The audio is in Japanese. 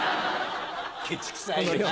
ケチくさいよな。